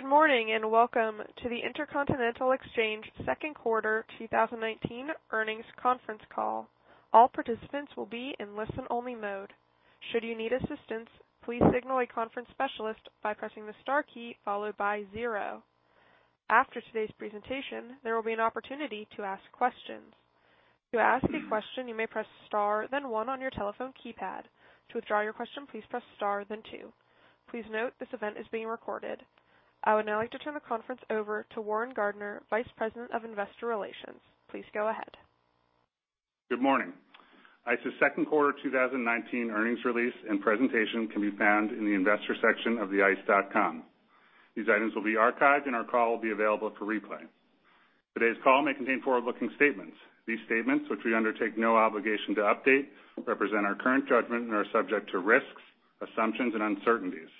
Good morning, welcome to the Intercontinental Exchange second quarter 2019 earnings conference call. All participants will be in listen-only mode. Should you need assistance, please signal a conference specialist by pressing the star key followed by zero. After today's presentation, there will be an opportunity to ask questions. To ask a question, you may press star then one on your telephone keypad. To withdraw your question, please press star then two. Please note, this event is being recorded. I would now like to turn the conference over to Warren Gardiner, Vice President of Investor Relations. Please go ahead. Good morning. ICE's second quarter 2019 earnings release and presentation can be found in the Investors section of ice.com. These items will be archived, and our call will be available for replay. Today's call may contain forward-looking statements. These statements, which we undertake no obligation to update, represent our current judgment and are subject to risks, assumptions, and uncertainties.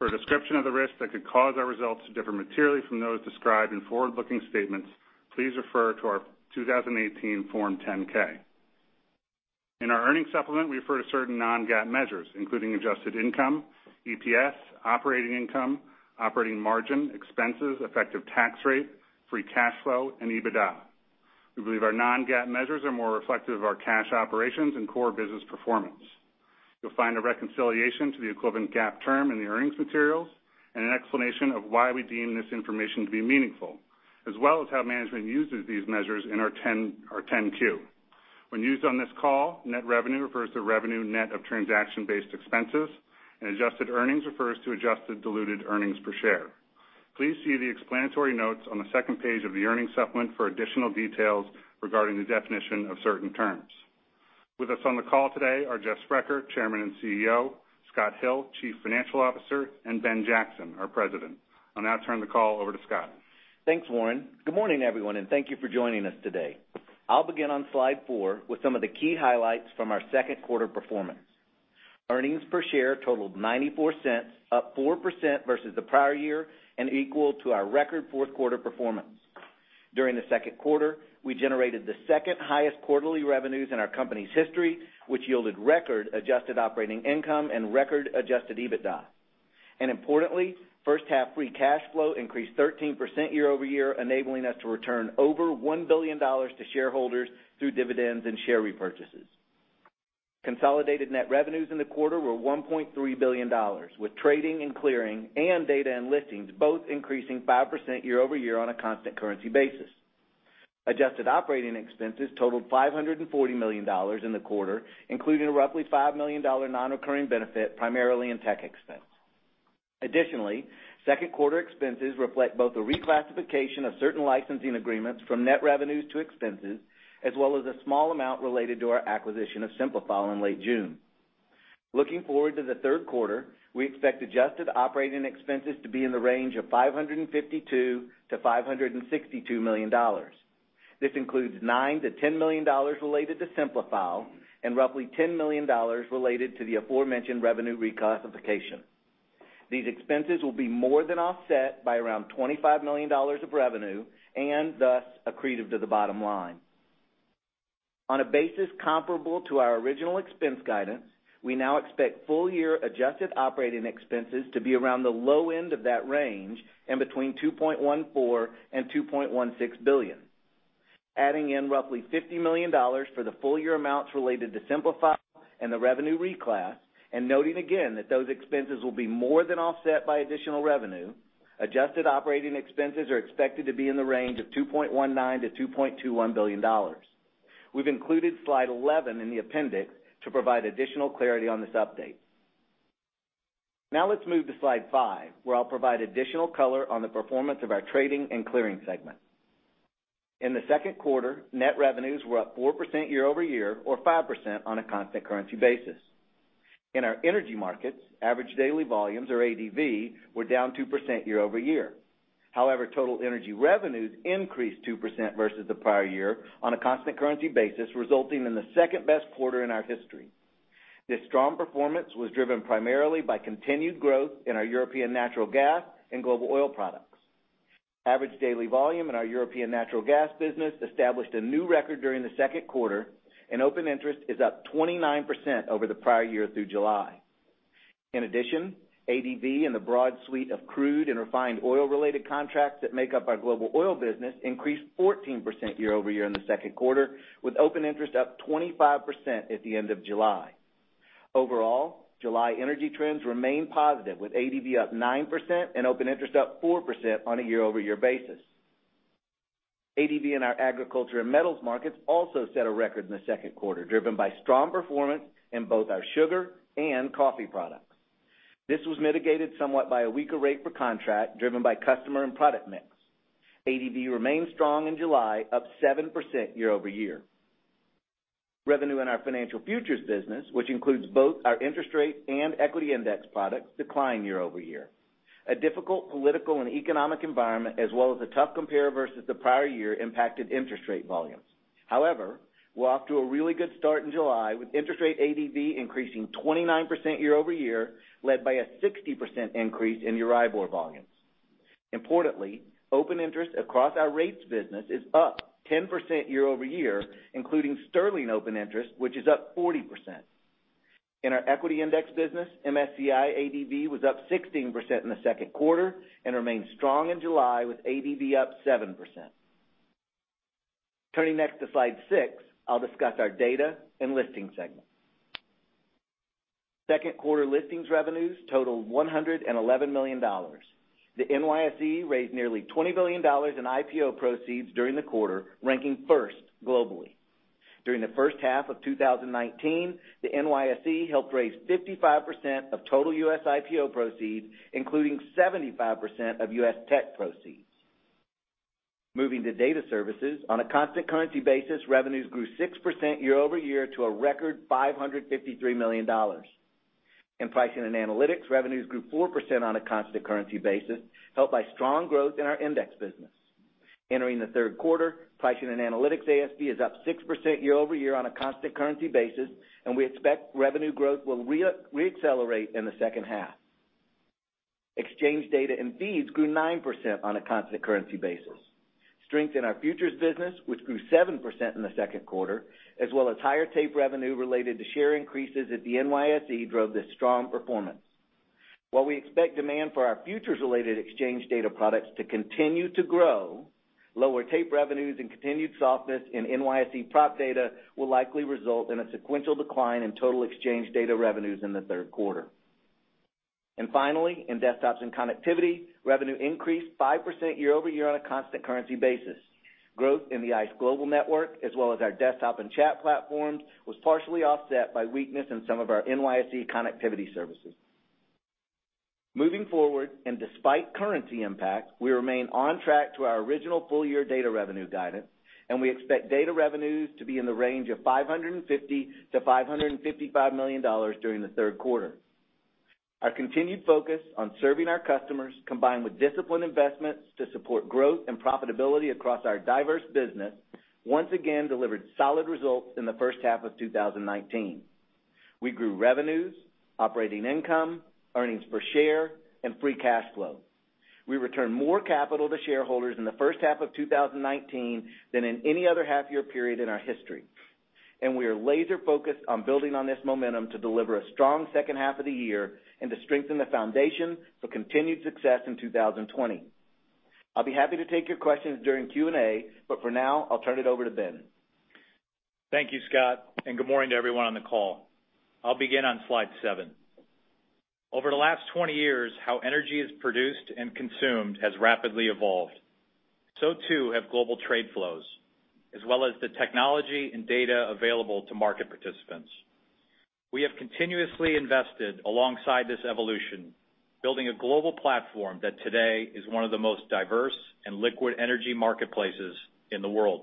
For a description of the risks that could cause our results to differ materially from those described in forward-looking statements, please refer to our 2018 Form 10-K. In our earnings supplement, we refer to certain non-GAAP measures, including adjusted income, EPS, operating income, operating margin, expenses, effective tax rate, free cash flow, and EBITDA. We believe our non-GAAP measures are more reflective of our cash operations and core business performance. You'll find a reconciliation to the equivalent GAAP term in the earnings materials, and an explanation of why we deem this information to be meaningful, as well as how management uses these measures in our 10-Q. When used on this call, net revenue refers to revenue net of transaction-based expenses, and adjusted earnings refers to adjusted diluted earnings per share. Please see the explanatory notes on the second page of the earnings supplement for additional details regarding the definition of certain terms. With us on the call today are Jeff Sprecher, Chairman and CEO, Scott Hill, Chief Financial Officer, and Ben Jackson, our President. I'll now turn the call over to Scott. Thanks, Warren. Good morning, everyone, and thank you for joining us today. I'll begin on slide four with some of the key highlights from our second quarter performance. Earnings per share totaled $0.94, up 4% versus the prior year, and equal to our record fourth-quarter performance. During the second quarter, we generated the second highest quarterly revenues in our company's history, which yielded record adjusted operating income and record adjusted EBITDA. Importantly, first-half free cash flow increased 13% year-over-year, enabling us to return over $1 billion to shareholders through dividends and share repurchases. Consolidated net revenues in the quarter were $1.3 billion, with trading and clearing and data and listings both increasing 5% year-over-year on a constant currency basis. Adjusted operating expenses totaled $540 million in the quarter, including a roughly $5 million non-recurring benefit, primarily in tech expense. Additionally, second quarter expenses reflect both a reclassification of certain licensing agreements from net revenues to expenses, as well as a small amount related to our acquisition of Simplifile in late June. Looking forward to the third quarter, we expect adjusted operating expenses to be in the range of $552 million-$562 million. This includes $9 million-$10 million related to Simplifile and roughly $10 million related to the aforementioned revenue reclassification. These expenses will be more than offset by around $25 million of revenue, and thus, accretive to the bottom line. On a basis comparable to our original expense guidance, we now expect full-year adjusted operating expenses to be around the low end of that range and between $2.14 billion and $2.16 billion. Adding in roughly $50 million for the full-year amounts related to Simplifile and the revenue reclass, and noting again that those expenses will be more than offset by additional revenue, adjusted operating expenses are expected to be in the range of $2.19 billion-$2.21 billion. We've included slide 11 in the appendix to provide additional clarity on this update. Let's move to slide five, where I'll provide additional color on the performance of our trading and clearing segment. In the second quarter, net revenues were up 4% year-over-year or 5% on a constant currency basis. In our energy markets, average daily volumes, or ADV, were down 2% year-over-year. Total energy revenues increased 2% versus the prior year on a constant currency basis, resulting in the second-best quarter in our history. This strong performance was driven primarily by continued growth in our European natural gas and global oil products. Average daily volume in our European natural gas business established a new record during the second quarter, and open interest is up 29% over the prior year through July. In addition, ADV in the broad suite of crude and refined oil-related contracts that make up our global oil business increased 14% year-over-year in the second quarter, with open interest up 25% at the end of July. Overall, July energy trends remain positive, with ADV up 9% and open interest up 4% on a year-over-year basis. ADV in our agriculture and metals markets also set a record in the second quarter, driven by strong performance in both our sugar and coffee products. This was mitigated somewhat by a weaker rate per contract, driven by customer and product mix. ADV remains strong in July, up 7% year-over-year. Revenue in our financial futures business, which includes both our interest rate and equity index products, declined year-over-year. A difficult political and economic environment, as well as a tough compare versus the prior year impacted interest rate volumes. We're off to a really good start in July, with interest rate ADV increasing 29% year-over-year, led by a 60% increase in EURIBOR volumes. Importantly, open interest across our rates business is up 10% year-over-year, including sterling open interest, which is up 40%. In our equity index business, MSCI ADV was up 16% in the second quarter and remains strong in July, with ADV up 7%. Turning next to slide six, I'll discuss our data and listing segment. Second quarter listings revenues totaled $111 million. The NYSE raised nearly $20 billion in IPO proceeds during the quarter, ranking first globally. During the first half of 2019, the NYSE helped raise 55% of total U.S. IPO proceeds, including 75% of U.S. tech proceeds. Moving to Data Services. On a constant currency basis, revenues grew 6% year-over-year to a record $553 million. In Pricing and Analytics, revenues grew 4% on a constant currency basis, helped by strong growth in our index business. Entering the third quarter, Pricing and Analytics ASV is up 6% year-over-year on a constant currency basis, and we expect revenue growth will re-accelerate in the second half. Exchange Data and Feeds grew 9% on a constant currency basis. Strength in our futures business, which grew 7% in the second quarter, as well as higher tape revenue related to share increases at the NYSE, drove this strong performance. While we expect demand for our futures-related exchange data products to continue to grow, lower tape revenues and continued softness in NYSE prop data will likely result in a sequential decline in total exchange data revenues in the third quarter. Finally, in desktops and connectivity, revenue increased 5% year-over-year on a constant currency basis. Growth in the ICE Global Network, as well as our desktop and chat platforms, was partially offset by weakness in some of our NYSE connectivity services. Moving forward, despite currency impact, we remain on track to our original full-year data revenue guidance, and we expect data revenues to be in the range of $550 million-$555 million during the third quarter. Our continued focus on serving our customers, combined with disciplined investments to support growth and profitability across our diverse business, once again delivered solid results in the first half of 2019. We grew revenues, operating income, earnings per share, and free cash flow. We returned more capital to shareholders in the first half of 2019 than in any other half-year period in our history. We are laser-focused on building on this momentum to deliver a strong second half of the year and to strengthen the foundation for continued success in 2020. I'll be happy to take your questions during Q&A, but for now, I'll turn it over to Ben. Thank you, Scott, and good morning to everyone on the call. I'll begin on slide seven. Over the last 20 years, how energy is produced and consumed has rapidly evolved. Too have global trade flows, as well as the technology and data available to market participants. We have continuously invested alongside this evolution, building a global platform that today is one of the most diverse and liquid energy marketplaces in the world.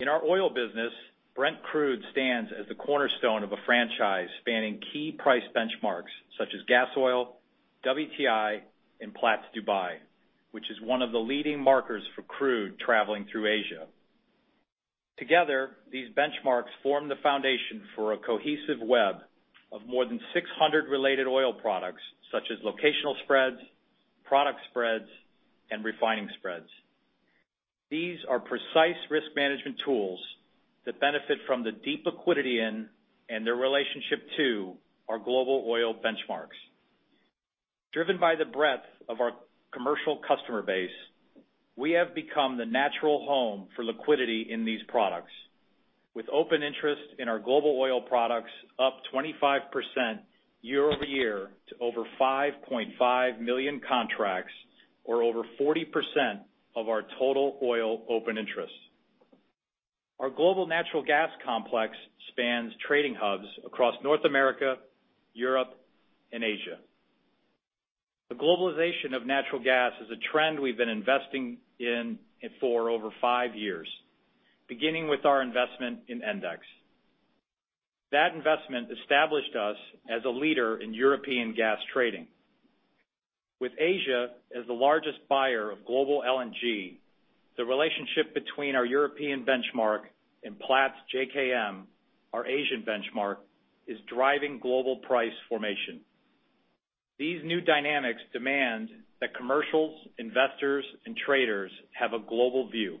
In our oil business, Brent Crude stands as the cornerstone of a franchise spanning key price benchmarks such as gas oil, WTI, and Platts Dubai, which is one of the leading markers for crude traveling through Asia. Together, these benchmarks form the foundation for a cohesive web of more than 600 related oil products, such as locational spreads, product spreads, and refining spreads. These are precise risk management tools that benefit from the deep liquidity and their relationship to our global oil benchmarks. Driven by the breadth of our commercial customer base, we have become the natural home for liquidity in these products. With open interest in our global oil products up 25% year-over-year to over 5.5 million contracts, or over 40% of our total oil open interest. Our global natural gas complex spans trading hubs across North America, Europe, and Asia. The globalization of natural gas is a trend we've been investing in for over five years, beginning with our investment in Endex. That investment established us as a leader in European gas trading. With Asia as the largest buyer of global LNG, the relationship between our European benchmark and Platts JKM, our Asian benchmark, is driving global price formation. These new dynamics demand that commercials, investors, and traders have a global view.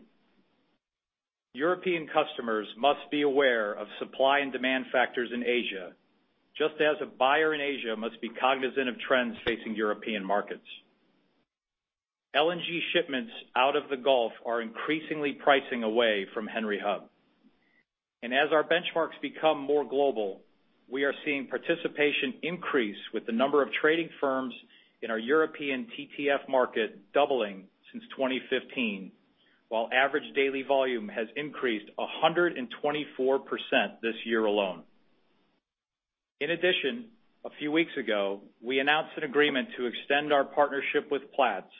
European customers must be aware of supply and demand factors in Asia, just as a buyer in Asia must be cognizant of trends facing European markets. LNG shipments out of the Gulf are increasingly pricing away from Henry Hub. As our benchmarks become more global, we are seeing participation increase with the number of trading firms in our European TTF market doubling since 2015, while average daily volume has increased 124% this year alone. In addition, a few weeks ago, we announced an agreement to extend our partnership with Platts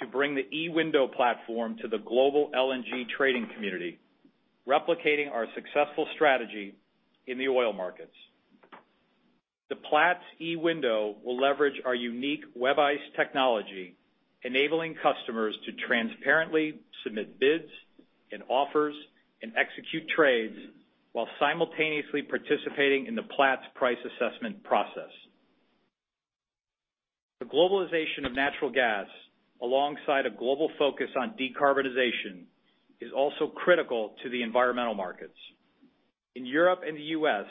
to bring the eWindow platform to the global LNG trading community, replicating our successful strategy in the oil markets. The Platts eWindow will leverage our unique WebICE technology, enabling customers to transparently submit bids and offers and execute trades while simultaneously participating in the Platts price assessment process. The globalization of natural gas, alongside a global focus on decarbonization, is also critical to the environmental markets. In Europe and the U.S.,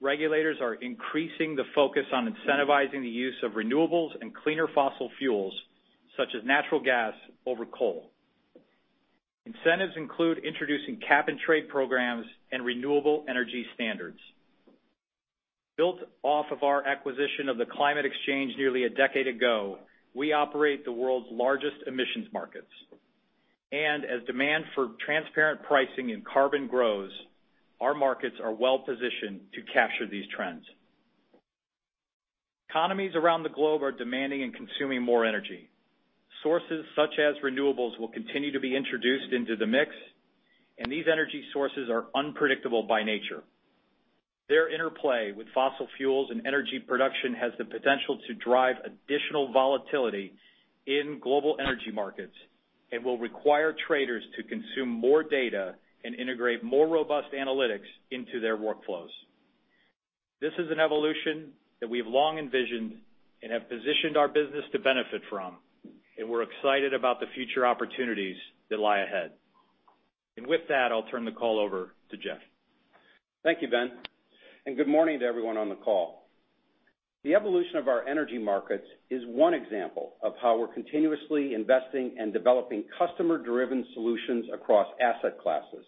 regulators are increasing the focus on incentivizing the use of renewables and cleaner fossil fuels, such as natural gas over coal. Incentives include introducing cap and trade programs and renewable energy standards. Built off of our acquisition of the Climate Exchange nearly a decade ago, we operate the world's largest emissions markets. As demand for transparent pricing in carbon grows, our markets are well-positioned to capture these trends. Economies around the globe are demanding and consuming more energy. Sources such as renewables will continue to be introduced into the mix, and these energy sources are unpredictable by nature. Their interplay with fossil fuels and energy production has the potential to drive additional volatility in global energy markets, and will require traders to consume more data and integrate more robust analytics into their workflows. This is an evolution that we've long envisioned and have positioned our business to benefit from, and we're excited about the future opportunities that lie ahead. With that, I'll turn the call over to Jeff. Thank you, Ben. Good morning to everyone on the call. The evolution of our energy markets is one example of how we're continuously investing and developing customer-driven solutions across asset classes,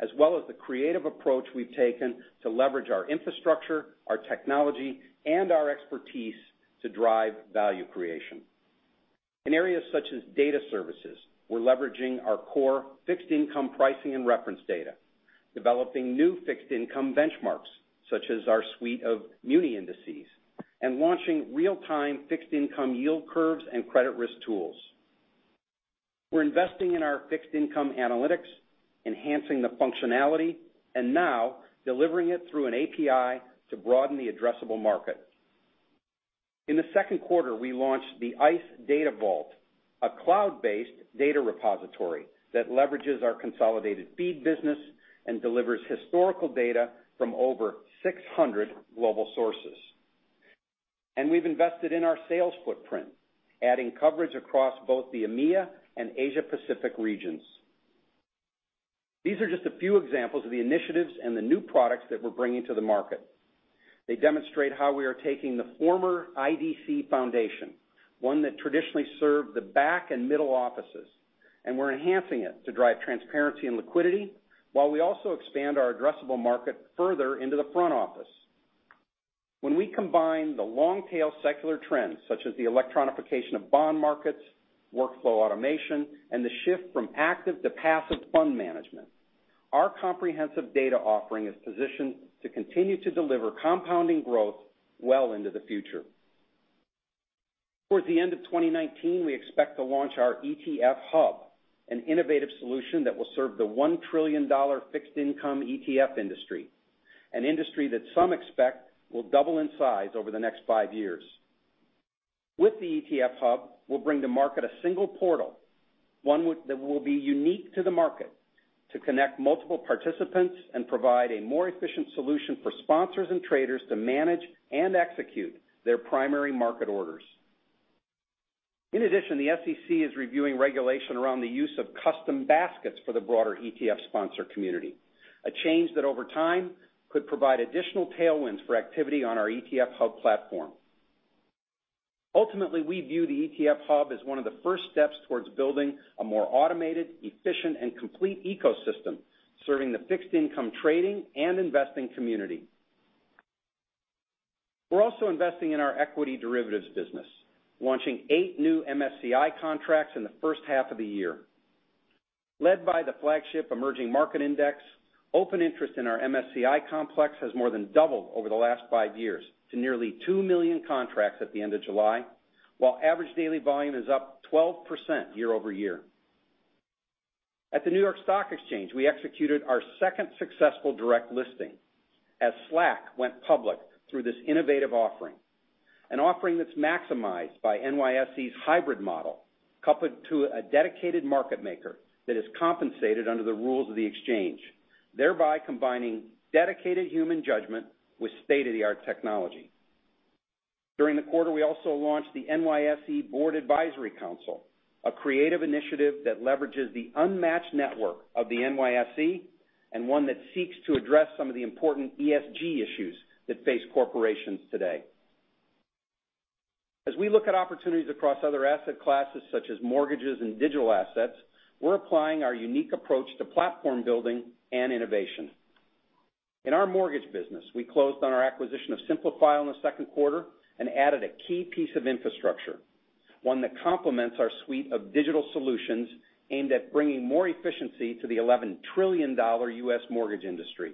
as well as the creative approach we've taken to leverage our infrastructure, our technology, and our expertise to drive value creation. In areas such as data services, we're leveraging our core fixed income pricing and reference data, developing new fixed income benchmarks, such as our suite of muni indices, and launching real-time fixed income yield curves and credit risk tools. We're investing in our fixed income analytics, enhancing the functionality, and now delivering it through an API to broaden the addressable market. In the second quarter, we launched the ICE DataVault, a cloud-based data repository that leverages our consolidated feed business and delivers historical data from over 600 global sources. We've invested in our sales footprint, adding coverage across both the EMEA and Asia Pacific regions. These are just a few examples of the initiatives and the new products that we're bringing to the market. They demonstrate how we are taking the former IDC foundation, one that traditionally served the back and middle offices, and we're enhancing it to drive transparency and liquidity, while we also expand our addressable market further into the front office. When we combine the long tail secular trends, such as the electronification of bond markets, workflow automation, and the shift from active to passive fund management, our comprehensive data offering is positioned to continue to deliver compounding growth well into the future. Towards the end of 2019, we expect to launch our ETF Hub, an innovative solution that will serve the $1 trillion fixed income ETF industry, an industry that some expect will double in size over the next five years. With the ETF Hub, we'll bring to market a single portal, one that will be unique to the market, to connect multiple participants and provide a more efficient solution for sponsors and traders to manage and execute their primary market orders. In addition, the SEC is reviewing regulation around the use of custom baskets for the broader ETF sponsor community, a change that over time could provide additional tailwinds for activity on our ETF Hub platform. Ultimately, we view the ETF Hub as one of the first steps towards building a more automated, efficient, and complete ecosystem, serving the fixed income trading and investing community. We're also investing in our equity derivatives business, launching eight new MSCI contracts in the first half of the year. Led by the flagship Emerging Market Index, open interest in our MSCI complex has more than doubled over the last five years to nearly 2 million contracts at the end of July, while average daily volume is up 12% year-over-year. At the New York Stock Exchange, we executed our second successful direct listing as Slack went public through this innovative offering, an offering that's maximized by NYSE's hybrid model, coupled to a dedicated market maker that is compensated under the rules of the exchange, thereby combining dedicated human judgment with state-of-the-art technology. During the quarter, we also launched the NYSE Board Advisory Council, a creative initiative that leverages the unmatched network of the NYSE and one that seeks to address some of the important ESG issues that face corporations today. As we look at opportunities across other asset classes, such as mortgages and digital assets, we're applying our unique approach to platform building and innovation. In our mortgage business, we closed on our acquisition of Simplifile in the second quarter and added a key piece of infrastructure, one that complements our suite of digital solutions aimed at bringing more efficiency to the $11 trillion U.S. mortgage industry.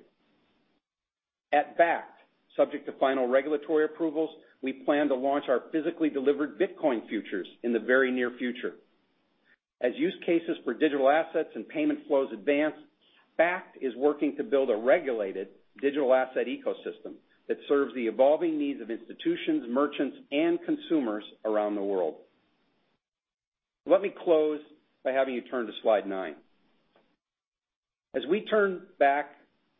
At Bakkt, subject to final regulatory approvals, we plan to launch our physically delivered Bitcoin futures in the very near future. As use cases for digital assets and payment flows Bakkt is working to build a regulated digital asset ecosystem that serves the evolving needs of institutions, merchants, and consumers around the world. Let me close by having you turn to slide nine. As we turn back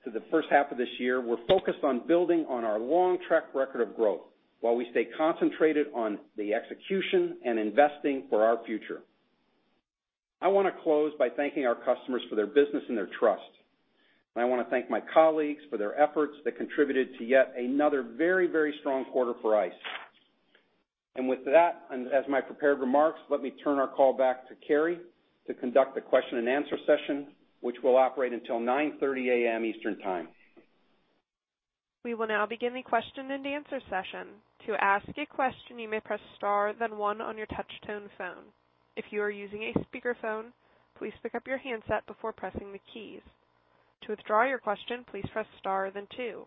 to the first half of this year, we're focused on building on our long track record of growth while we stay concentrated on the execution and investing for our future. I want to close by thanking our customers for their business and their trust. I want to thank my colleagues for their efforts that contributed to yet another very strong quarter for ICE. With that, and as my prepared remarks, let me turn our call back to Carrie to conduct the question and answer session, which will operate until 9:30 A.M. Eastern Time. We will now begin the question and answer session. To ask a question, you may press star then one on your touch-tone phone. If you are using a speakerphone, please pick up your handset before pressing the keys. To withdraw your question, please press star then two.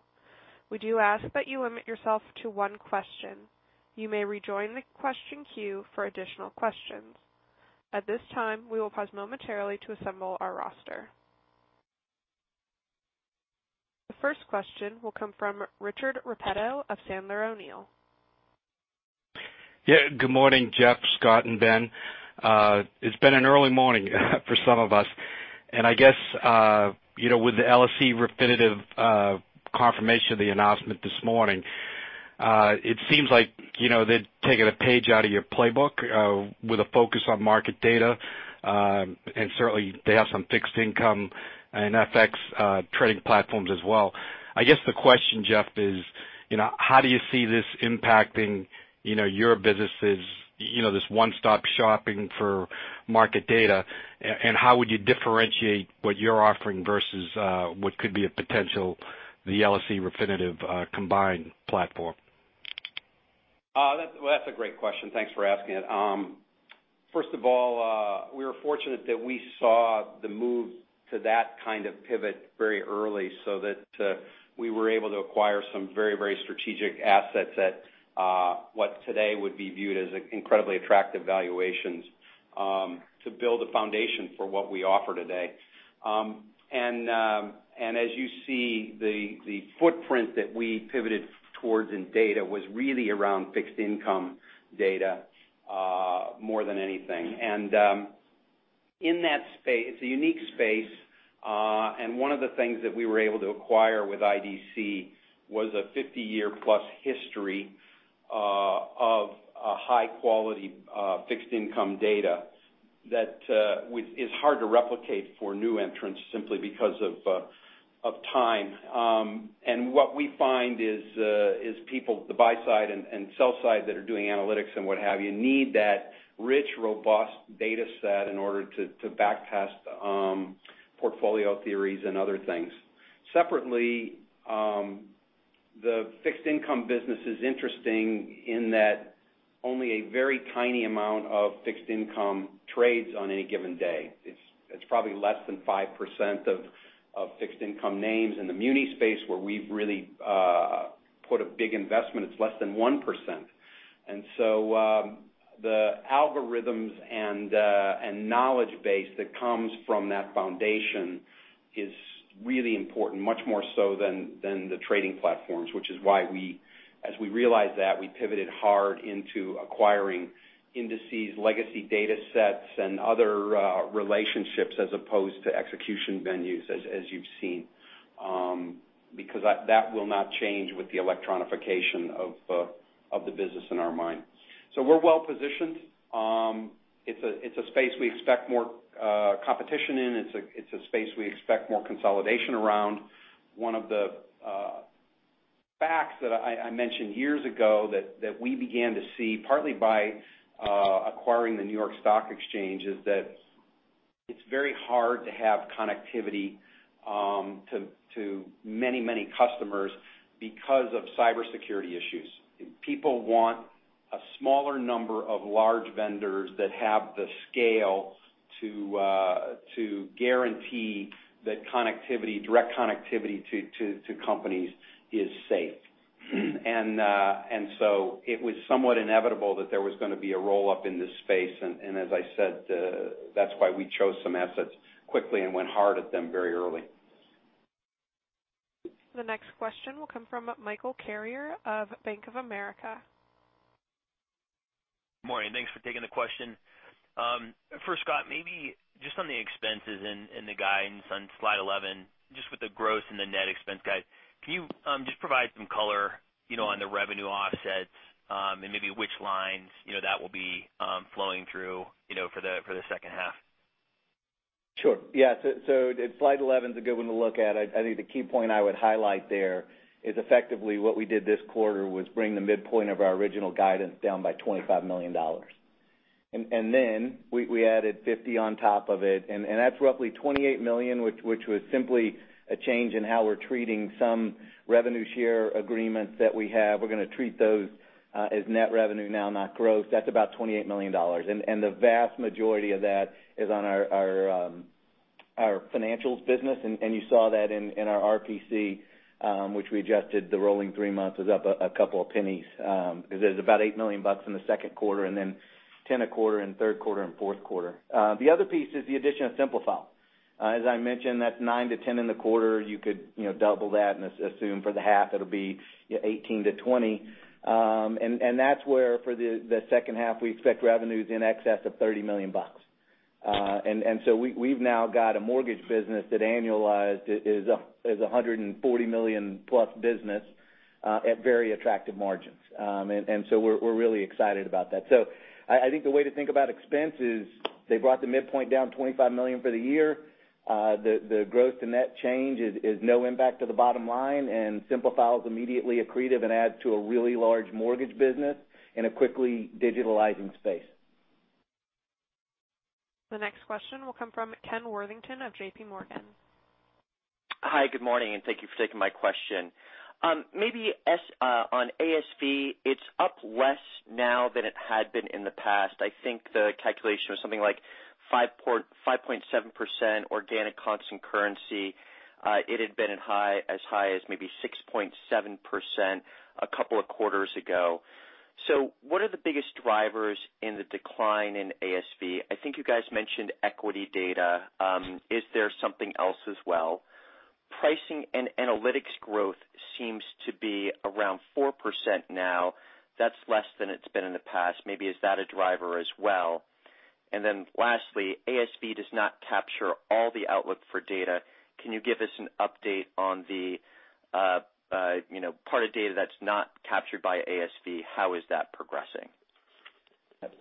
We do ask that you limit yourself to one question. You may rejoin the question queue for additional questions. At this time, we will pause momentarily to assemble our roster. The first question will come from Richard Repetto of Sandler O'Neill. Yeah. Good morning, Jeff, Scott, and Ben. It's been an early morning for some of us. I guess, with the LSE Refinitiv confirmation of the announcement this morning, it seems like they've taken a page out of your playbook, with a focus on market data. Certainly, they have some fixed income and FX trading platforms as well. I guess the question, Jeff, is how do you see this impacting your businesses, this one-stop shopping for market data, and how would you differentiate what you're offering versus what could be the LSE Refinitiv combined platform? That's a great question. Thanks for asking it. First of all, we were fortunate that we saw the move to that kind of pivot very early so that we were able to acquire some very strategic assets at what today would be viewed as incredibly attractive valuations, to build a foundation for what we offer today. As you see, the footprint that we pivoted towards in data was really around fixed income data, more than anything. It's a unique space, and one of the things that we were able to acquire with IDC was a 50-year plus history of a high-quality fixed income data that is hard to replicate for new entrants simply because of time. What we find is people, the buy side and sell side that are doing analytics and what have you, need that rich, robust data set in order to back test portfolio theories and other things. Separately, the fixed income business is interesting in that only a very tiny amount of fixed income trades on any given day. It's probably less than 5% of fixed income names. In the muni space where we've really put a big investment, it's less than 1%. The algorithms and knowledge base that comes from that foundation is really important, much more so than the trading platforms, which is why as we realized that, we pivoted hard into acquiring indices, legacy data sets, and other relationships as opposed to execution venues, as you've seen. That will not change with the electronification of the business in our mind. We're well-positioned. It's a space we expect more competition in. It's a space we expect more consolidation around. One of the facts that I mentioned years ago that we began to see, partly by acquiring the New York Stock Exchange, is that it's very hard to have connectivity to many customers because of cybersecurity issues. People want a smaller number of large vendors that have the scale to guarantee that direct connectivity to companies is safe. It was somewhat inevitable that there was going to be a roll-up in this space. As I said, that's why we chose some assets quickly and went hard at them very early. The next question will come from Michael Carrier of Bank of America. Morning. Thanks for taking the question. For Scott, maybe just on the expenses and the guidance on slide 11, just with the gross and the net expense guide, can you just provide some color on the revenue offsets, and maybe which lines that will be flowing through for the second half? Sure. Yeah. Slide 11 is a good one to look at. I think the key point I would highlight there is effectively what we did this quarter was bring the midpoint of our original guidance down by $25 million. Then we added $50 on top of it, and that's roughly $28 million, which was simply a change in how we're treating some revenue share agreements that we have. We're going to treat those as net revenue now, not gross. That's about $28 million. The vast majority of that is on our financials business. You saw that in our RPC, which we adjusted the rolling three months is up a couple of pennies. There's about $8 million in the second quarter, then $10 a quarter in third quarter and fourth quarter. The other piece is the addition of Simplifile As I mentioned, that's nine to 10 in the quarter. You could double that and assume for the half it'll be 18 to 20. That's where for the second half, we expect revenues in excess of $30 million. We've now got a mortgage business that annualized is $140 million-plus business at very attractive margins. We're really excited about that. I think the way to think about expense is they brought the midpoint down $25 million for the year. The growth to net change is no impact to the bottom line, and Simplifile is immediately accretive and adds to a really large mortgage business in a quickly digitalizing space. The next question will come from Ken Worthington of JPMorgan. Hi, good morning, and thank you for taking my question. Maybe on ASV, it's up less now than it had been in the past. I think the calculation was something like 5.7% organic constant currency. It had been as high as maybe 6.7% a couple of quarters ago. What are the biggest drivers in the decline in ASV? I think you guys mentioned equity data. Is there something else as well? Pricing and analytics growth seems to be around 4% now. That's less than it's been in the past. Maybe is that a driver as well? Lastly, ASV does not capture all the outlook for data. Can you give us an update on the part of data that's not captured by ASV? How is that progressing?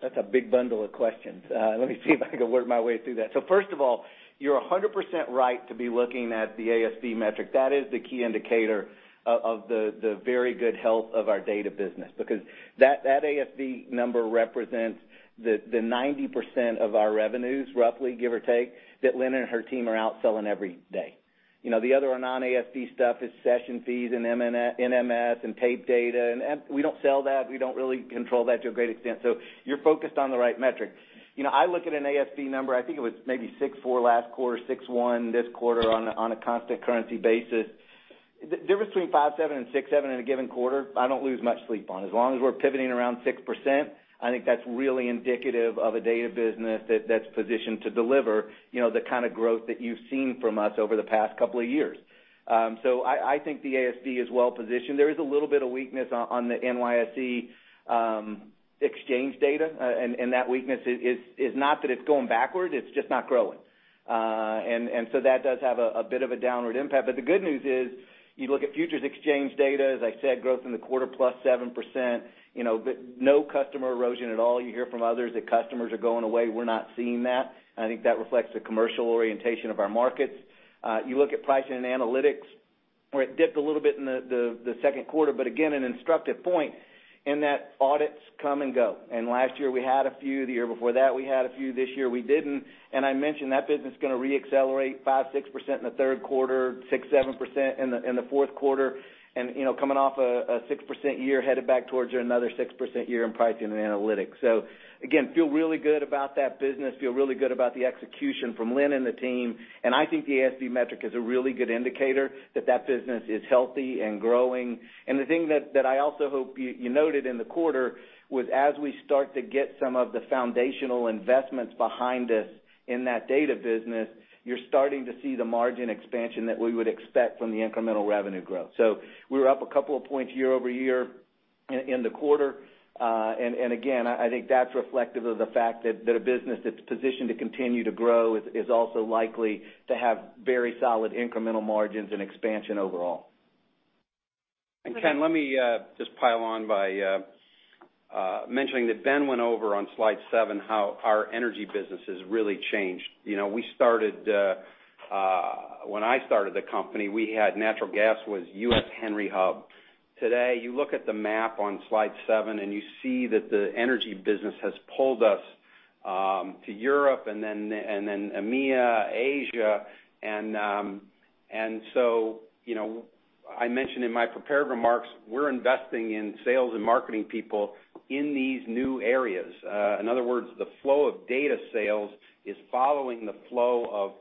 That's a big bundle of questions. Let me see if I can work my way through that. First of all, you're 100% right to be looking at the ASV metric. That is the key indicator of the very good health of our data business, because that ASV number represents the 90% of our revenues, roughly, give or take, that Lynn and her team are out selling every day. The other non-ASV stuff is session fees and NMS and tape data, and we don't sell that. We don't really control that to a great extent. You're focused on the right metric. I look at an ASV number, I think it was maybe 6.4 last quarter, 6.1 this quarter on a constant currency basis. The difference between 5.7 and 6.7 in a given quarter, I don't lose much sleep on. As long as we're pivoting around 6%, I think that's really indicative of a data business that's positioned to deliver the kind of growth that you've seen from us over the past couple of years. I think the ASV is well-positioned. There is a little bit of weakness on the NYSE exchange data, that weakness is not that it's going backward, it's just not growing. That does have a bit of a downward impact. The good news is you look at futures exchange data, as I said, growth in the quarter plus 7%, but no customer erosion at all. You hear from others that customers are going away. We're not seeing that. I think that reflects the commercial orientation of our markets. You look at pricing and analytics, where it dipped a little bit in the second quarter, but again, an instructive point in that audits come and go. Last year we had a few, the year before that we had a few, this year we didn't. I mentioned that business is going to re-accelerate 5%, 6% in the third quarter, 6%, 7% in the fourth quarter, and coming off a 6% year headed back towards another 6% year in pricing and analytics. Again, feel really good about that business, feel really good about the execution from Lynn and the team, and I think the ASV metric is a really good indicator that that business is healthy and growing. The thing that I also hope you noted in the quarter was as we start to get some of the foundational investments behind us in that data business, you're starting to see the margin expansion that we would expect from the incremental revenue growth. We were up a couple of points year-over-year in the quarter. Again, I think that's reflective of the fact that a business that's positioned to continue to grow is also likely to have very solid incremental margins and expansion overall. Ken, let me just pile on by mentioning that Ben went over on slide seven how our energy business has really changed. When I started the company, we had natural gas was U.S. Henry Hub. Today, you look at the map on slide seven and you see that the energy business has pulled us to Europe and then EMEA, Asia, I mentioned in my prepared remarks, we're investing in sales and marketing people in these new areas. In other words, the flow of data sales is following the flow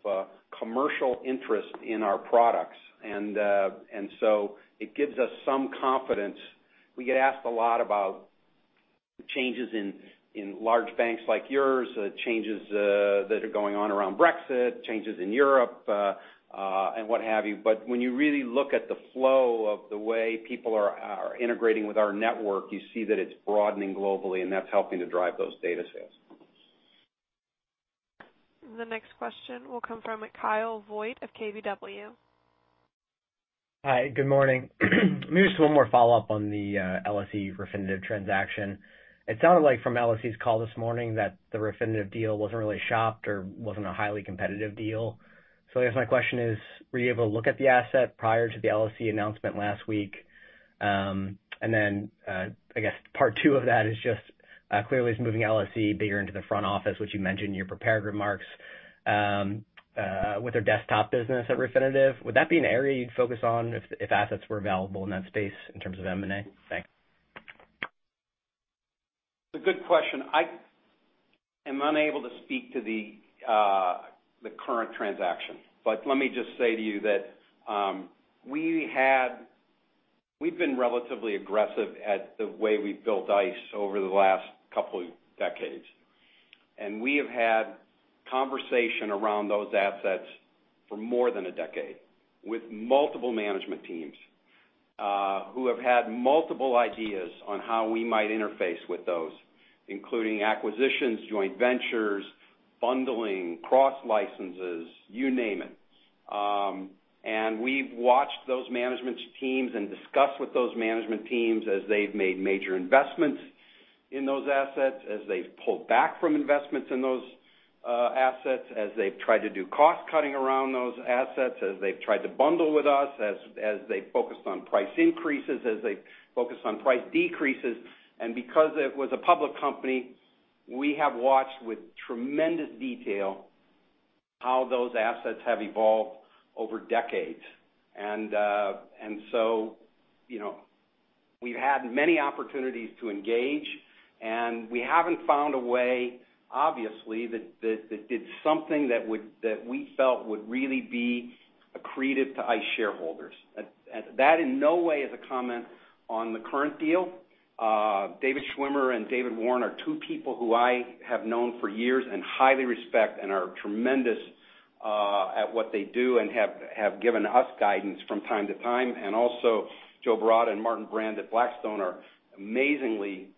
of commercial interest in our products. It gives us some confidence. We get asked a lot about changes in large banks like yours, changes that are going on around Brexit, changes in Europe, and what have you. When you really look at the flow of the way people are integrating with our network, you see that it's broadening globally, and that's helping to drive those data sales. The next question will come from Kyle Voigt of KBW. Hi, good morning. Maybe just one more follow-up on the LSE Refinitiv transaction. It sounded like from LSE's call this morning that the Refinitiv deal wasn't really shopped or wasn't a highly competitive deal. I guess my question is, were you able to look at the asset prior to the LSE announcement last week? I guess part two of that is just clearly it's moving LSE bigger into the front office, which you mentioned in your prepared remarks, with their desktop business at Refinitiv. Would that be an area you'd focus on if assets were available in that space in terms of M&A? Thanks. It's a good question. I am unable to speak to the current transaction. Let me just say to you that We've been relatively aggressive at the way we've built ICE over the last couple of decades. We have had conversation around those assets for more than a decade with multiple management teams, who have had multiple ideas on how we might interface with those, including acquisitions, joint ventures, bundling, cross licenses, you name it. We've watched those management teams and discussed with those management teams as they've made major investments in those assets, as they've pulled back from investments in those assets, as they've tried to do cost cutting around those assets, as they've tried to bundle with us, as they've focused on price increases, as they've focused on price decreases. Because it was a public company, we have watched with tremendous detail how those assets have evolved over decades. We've had many opportunities to engage, and we haven't found a way, obviously, that did something that we felt would really be accretive to ICE shareholders. That in no way is a comment on the current deal. David Schwimmer and David Warren are two people who I have known for years and highly respect and are tremendous at what they do and have given us guidance from time to time. Also Joe Baratta and Martin Brand at Blackstone are amazingly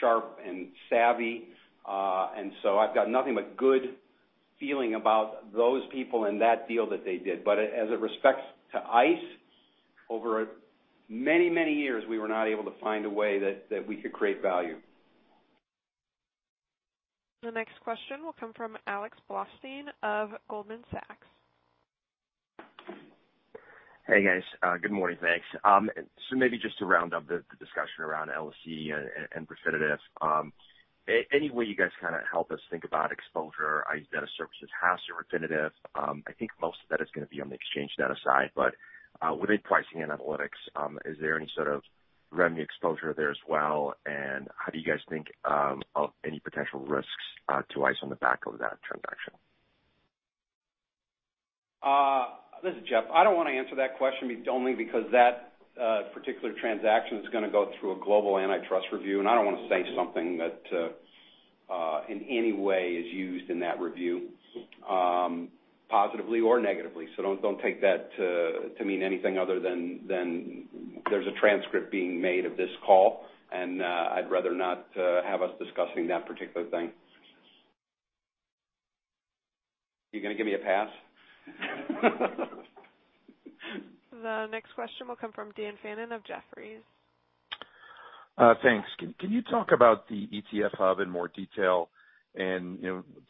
sharp and savvy. I've got nothing but good feeling about those people and that deal that they did. As it respects to ICE, over many, many years, we were not able to find a way that we could create value. The next question will come from Alexander Blostein of Goldman Sachs. Hey, guys. Good morning. Thanks. Maybe just to round up the discussion around LSE and Refinitiv. Any way you guys kind of help us think about exposure, either Data Services has to Refinitiv. I think most of that is going to be on the exchange data side. Within pricing and analytics, is there any sort of revenue exposure there as well? How do you guys think of any potential risks to ICE on the back of that transaction? This is Jeff. I don't want to answer that question only because that particular transaction is going to go through a global antitrust review, and I don't want to say something that in any way is used in that review, positively or negatively. Don't take that to mean anything other than there's a transcript being made of this call, and I'd rather not have us discussing that particular thing. You going to give me a pass? The next question will come from Daniel Fannon of Jefferies. Thanks. Can you talk about the ETF Hub in more detail and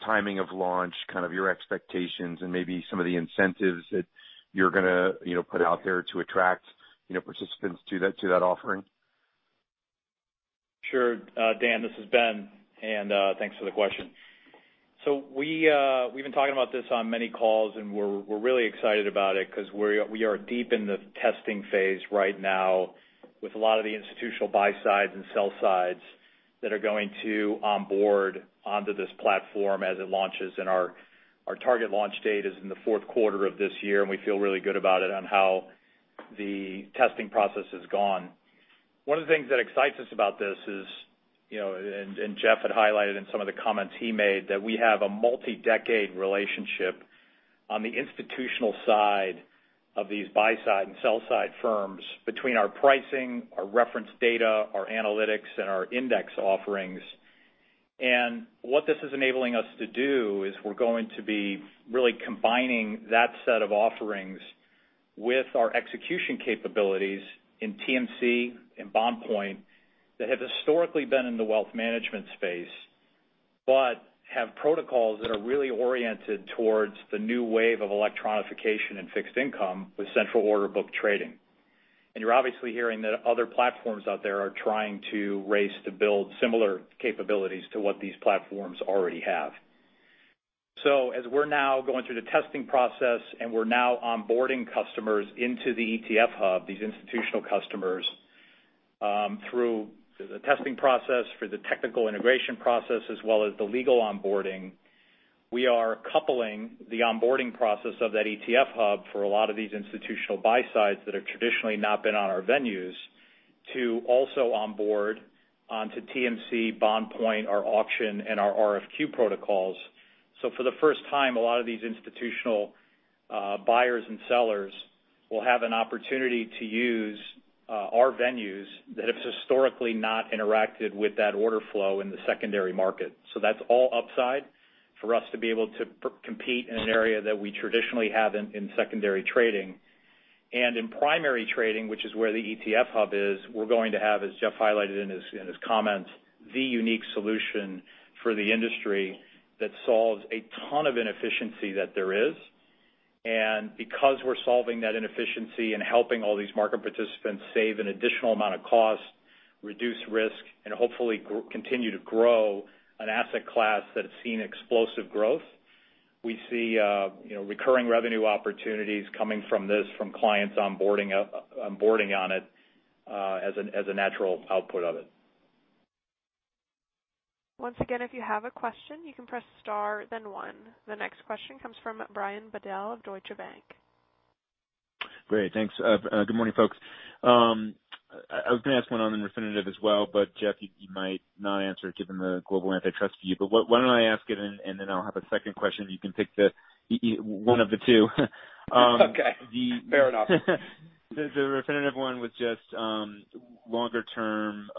timing of launch, kind of your expectations and maybe some of the incentives that you're going to put out there to attract participants to that offering? Sure. Dan, this is Ben, and thanks for the question. We've been talking about this on many calls, and we're really excited about it because we are deep in the testing phase right now with a lot of the institutional buy sides and sell sides that are going to onboard onto this platform as it launches. Our target launch date is in the fourth quarter of this year, and we feel really good about it on how the testing process has gone. One of the things that excites us about this is, and Jeff had highlighted in some of the comments he made, that we have a multi-decade relationship on the institutional side of these buy side and sell side firms between our pricing, our reference data, our analytics, and our index offerings. What this is enabling us to do is we're going to be really combining that set of offerings with our execution capabilities in ICE TMC, in BondPoint, that have historically been in the wealth management space, but have protocols that are really oriented towards the new wave of electronification and fixed income with central order book trading. You're obviously hearing that other platforms out there are trying to race to build similar capabilities to what these platforms already have. As we're now going through the testing process, and we're now onboarding customers into the ICE ETF Hub, these institutional customers, through the testing process, through the technical integration process, as well as the legal onboarding, we are coupling the onboarding process of that ICE ETF Hub for a lot of these institutional buy sides that have traditionally not been on our venues to also onboard onto ICE TMC, BondPoint, our auction, and our RFQ protocols. For the first time, a lot of these institutional buyers and sellers will have an opportunity to use our venues that have historically not interacted with that order flow in the secondary market. That's all upside for us to be able to compete in an area that we traditionally have in secondary trading. In primary trading, which is where the ICE ETF Hub is, we're going to have, as Jeff highlighted in his comments, the unique solution for the industry that solves a ton of inefficiency that there is. Because we're solving that inefficiency and helping all these market participants save an additional amount of cost, reduce risk, and hopefully continue to grow an asset class that has seen explosive growth, we see recurring revenue opportunities coming from this, from clients onboarding on it as a natural output of it. Once again, if you have a question, you can press star then one. The next question comes from Brian Bedell of Deutsche Bank. Great. Thanks. Good morning, folks. I was going to ask one on Refinitiv as well. Jeff, you might not answer it given the global antitrust view. Why don't I ask it, and then I'll have a second question. You can pick one of the two. Okay. Fair enough. The Refinitiv one was just longer-term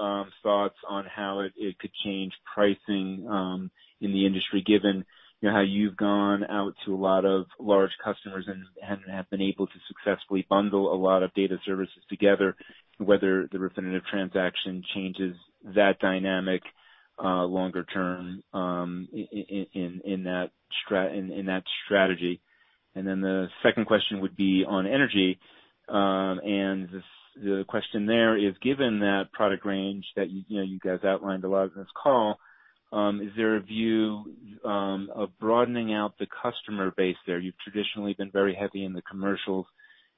thoughts on how it could change pricing in the industry, given how you've gone out to a lot of large customers and have been able to successfully bundle a lot of data services together, whether the Refinitiv transaction changes that dynamic longer term in that strategy. The second question would be on energy. The question there is, given that product range that you guys outlined a lot in this call, is there a view of broadening out the customer base there? You've traditionally been very heavy in the commercials.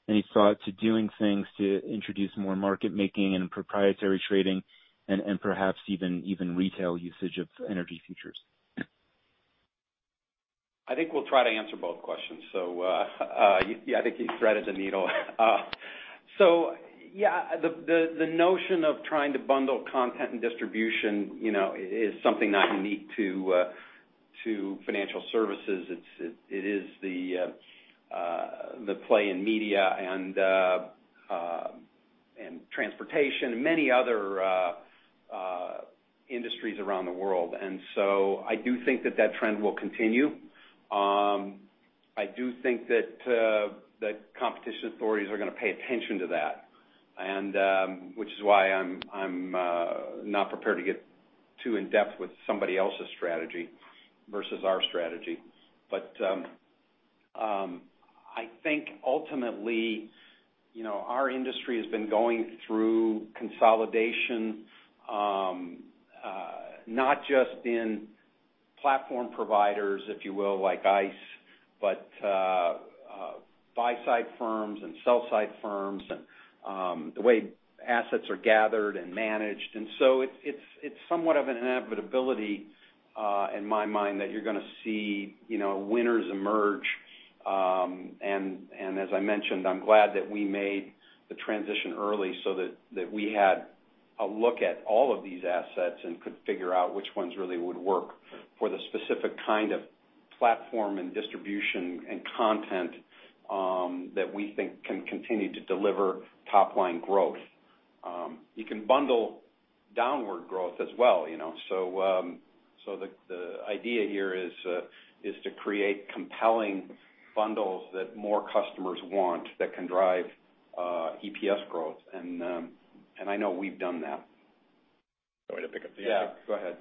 Any thought to doing things to introduce more market making and proprietary trading and perhaps even retail usage of energy futures? I think we'll try to answer both questions. I think you threaded the needle. Yeah, the notion of trying to bundle content and distribution is something not unique to financial services. It is the play in media and transportation and many other industries around the world. I do think that trend will continue. I do think that competition authorities are going to pay attention to that, which is why I'm not prepared to get too in-depth with somebody else's strategy versus our strategy. I think ultimately, our industry has been going through consolidation, not just in platform providers, if you will, like ICE, but buy-side firms and sell-side firms and the way assets are gathered and managed. It's somewhat of an inevitability, in my mind, that you're going to see winners emerge. As I mentioned, I'm glad that we made the transition early so that we had a look at all of these assets and could figure out which ones really would work for the specific kind of platform and distribution and content that we think can continue to deliver top-line growth. You can bundle downward growth as well. The idea here is to create compelling bundles that more customers want that can drive EPS growth. I know we've done that. Do you want me to pick up the second? Yeah, go ahead.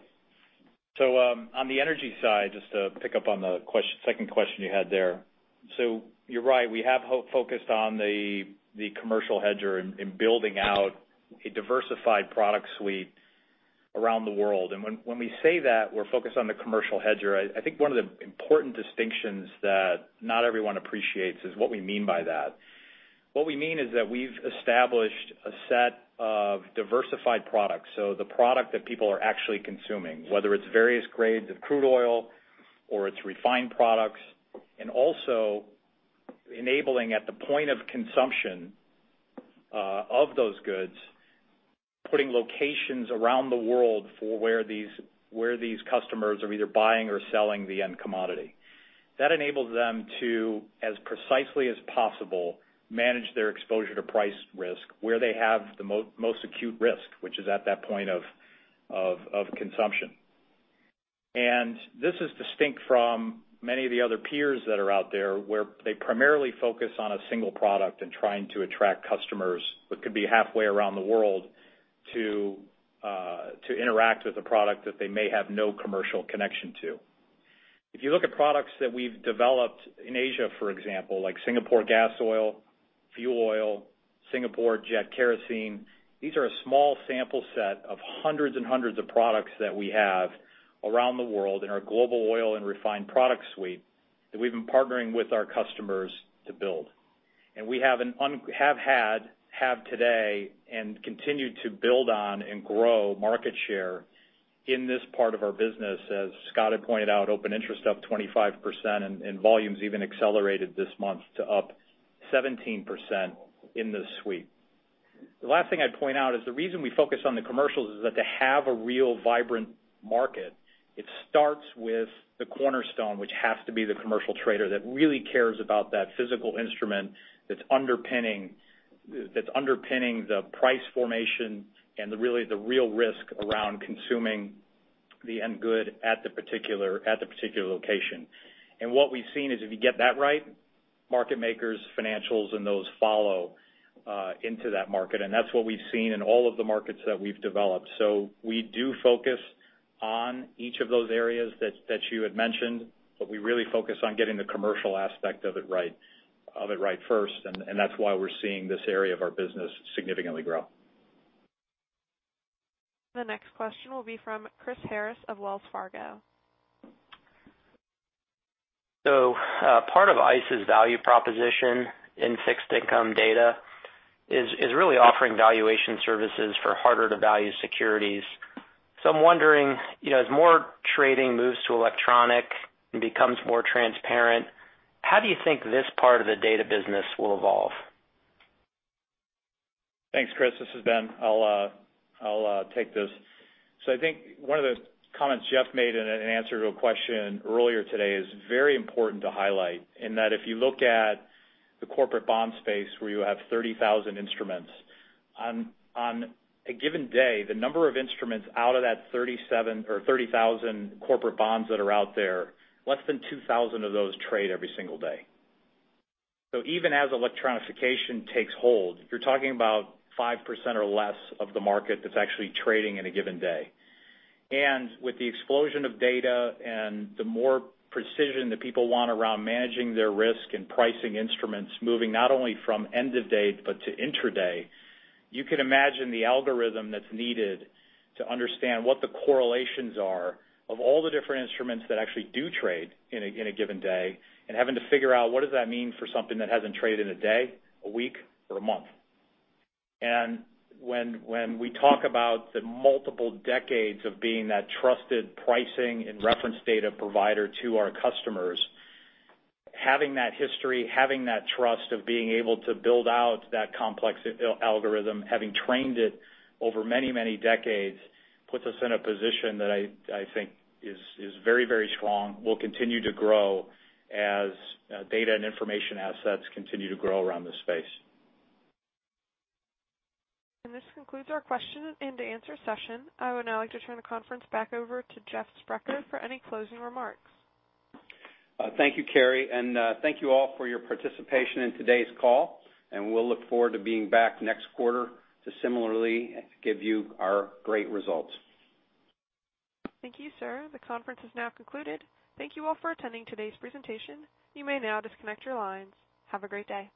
On the energy side, just to pick up on the second question you had there. You're right, we have focused on the commercial hedger in building out a diversified product suite around the world. When we say that we're focused on the commercial hedger, I think one of the important distinctions that not everyone appreciates is what we mean by that. What we mean is that we've established a set of diversified products, so the product that people are actually consuming, whether it's various grades of crude oil or it's refined products, and also enabling at the point of consumption of those goods, putting locations around the world for where these customers are either buying or selling the end commodity. That enables them to, as precisely as possible, manage their exposure to price risk where they have the most acute risk, which is at that point of consumption. This is distinct from many of the other peers that are out there, where they primarily focus on a single product and trying to attract customers, what could be halfway around the world, to interact with a product that they may have no commercial connection to. If you look at products that we've developed in Asia, for example, like Singapore Gasoil, fuel oil, Singapore Jet Kerosene, these are a small sample set of hundreds and hundreds of products that we have around the world in our global oil and refined product suite that we've been partnering with our customers to build. We have had, have today, and continue to build on and grow market share in this part of our business. As Scott had pointed out, open interest up 25%, and volumes even accelerated this month to up 17% in this suite. The last thing I'd point out is the reason we focus on the commercials is that to have a real vibrant market, it starts with the cornerstone, which has to be the commercial trader that really cares about that physical instrument that's underpinning the price formation and really the real risk around consuming the end good at the particular location. What we've seen is if you get that right, market makers, financials, and those follow into that market, and that's what we've seen in all of the markets that we've developed. We do focus on each of those areas that you had mentioned, but we really focus on getting the commercial aspect of it right first, and that's why we're seeing this area of our business significantly grow. The next question will be from Chris Harris of Wells Fargo. Part of ICE's value proposition in fixed income data is really offering valuation services for harder to value securities. I'm wondering, as more trading moves to electronic and becomes more transparent, how do you think this part of the data business will evolve? Thanks, Chris. This is Ben. I'll take this. I think one of the comments Jeff made in an answer to a question earlier today is very important to highlight, in that if you look at the corporate bond space, where you have 30,000 instruments. On a given day, the number of instruments out of that 30,000 corporate bonds that are out there, less than 2,000 of those trade every single day. Even as electronification takes hold, you're talking about 5% or less of the market that's actually trading in a given day. With the explosion of data and the more precision that people want around managing their risk and pricing instruments, moving not only from end-of-day, but to intra-day, you can imagine the algorithm that's needed to understand what the correlations are of all the different instruments that actually do trade in a given day, and having to figure out what does that mean for something that hasn't traded in a day, a week, or a month. When we talk about the multiple decades of being that trusted pricing and reference data provider to our customers, having that history, having that trust of being able to build out that complex algorithm, having trained it over many decades, puts us in a position that I think is very strong, will continue to grow as data and information assets continue to grow around this space. This concludes our question and answer session. I would now like to turn the conference back over to Jeff Sprecher for any closing remarks. Thank you, Carrie, and thank you all for your participation in today's call, and we'll look forward to being back next quarter to similarly give you our great results. Thank you, sir. The conference is now concluded. Thank you all for attending today's presentation. You may now disconnect your lines. Have a great day.